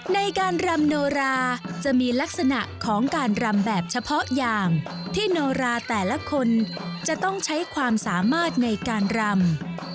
ในการรำโนราจะมีลักษณะของการรำแบบเฉพาะอย่างที่โนราแต่ละคนจะต้องใช้ความสามารถในการรำ